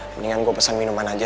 mendingan gue pesan minuman aja